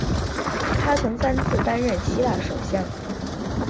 他曾三次担任希腊首相。